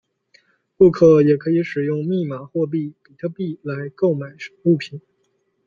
顾客也可以使用密码货币比特币来购买物品。